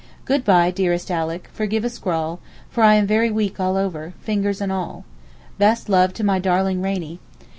Good bye dearest Alick, forgive a scrawl, for I am very weak all over, fingers and all. Best love to my darling Rainie.